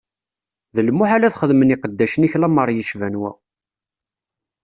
D lmuḥal ad xedmen iqeddacen-ik lameṛ yecban wa!